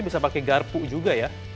bisa pakai garpu juga ya